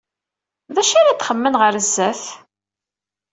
D acu ara ad xemmen ɣer zdat?